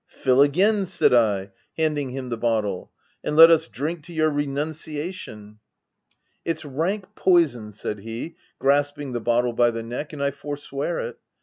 "'Fill again!' said I, handing him the bottle —' and let us drink to your renunciation/ u € It's rank poison/ said he, grasping the bottle by the neck, ' and I forswear it